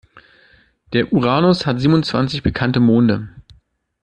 Der Uranus hat siebenundzwanzig bekannte Monde.